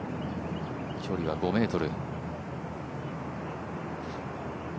距離は５ｍ。